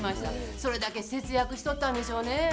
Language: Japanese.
それだけ節約しとったんでしょうね。